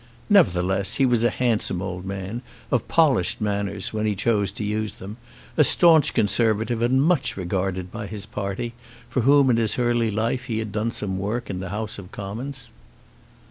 Nevertheless he was a handsome old man, of polished manners, when he chose to use them; a staunch Conservative and much regarded by his party, for whom in his early life he had done some work in the House of Commons.